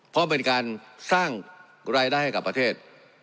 เพราะเป็นการสร้างรายได้ให้กับประเทศ